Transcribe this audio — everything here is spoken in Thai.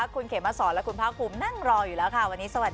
คุณเขตมศรและคุณพร้าวคุมนั่งรออยู่แล้วค่ะ